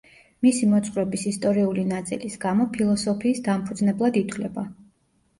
მისი მოძღვრების ისტორიული ნაწილის გამო ფილოსოფიის დამფუძნებლად ითვლება.